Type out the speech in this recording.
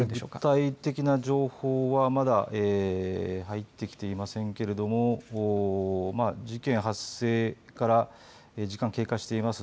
具体的な情報はまだ入ってきていませんけれども事件発生から時間経過しています。